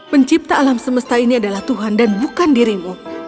pencipta alam semesta ini adalah tuhan dan bukan dirimu